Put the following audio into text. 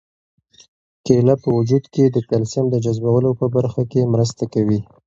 کیله په وجود کې د کلسیم د جذبولو په برخه کې مرسته کوي.